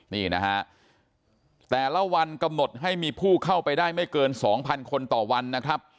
นี่นะฮะแต่ละวันกำหนดให้มีผู้เข้าไปได้ไม่เกิน๒๐๐คนต่อวันนะครับ